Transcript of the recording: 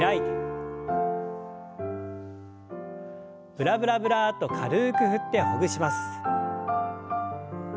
ブラブラブラッと軽く振ってほぐします。